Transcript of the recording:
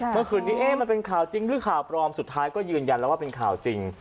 เมื่อคืนนี้เอ๊ะมันเป็นข่าวจริงหรือข่าวปลอมสุดท้ายก็ยืนยันแล้วว่าเป็นข่าวจริง